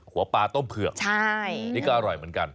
หัวปลาต้มเผือกนี่ก็อร่อยเหมือนกัน